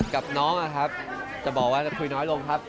กับน้องจะบอกว่าคุยน้อยลงครับ